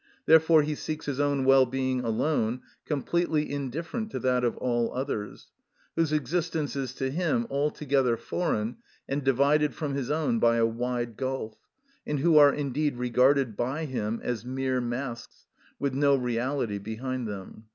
Therefore he seeks his own well being alone, completely indifferent to that of all others, whose existence is to him altogether foreign and divided from his own by a wide gulf, and who are indeed regarded by him as mere masks with no reality behind them.